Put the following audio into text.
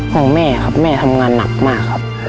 ของแม่ครับแม่ทำงานหนักมากครับ